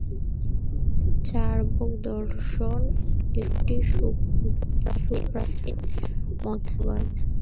চার্বাক দর্শন একটি সুপ্রাচীন মতবাদ।